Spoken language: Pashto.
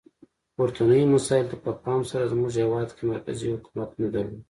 پورتنیو مسایلو ته په پام سره زموږ هیواد کې مرکزي حکومت نه درلود.